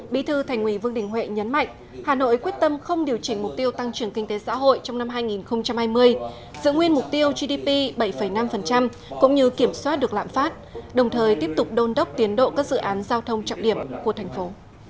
bí thư thành ủy vương đình huệ nhấn mạnh hà nội quyết tâm không điều chỉnh mục tiêu tăng trưởng kinh tế xã hội trong năm hai nghìn hai mươi giữ nguyên mục tiêu gdp bảy năm cũng như kiểm soát được lạm phát đồng thời tiếp tục đôn đốc tiến độ các dự án giao thông trọng điểm của thành phố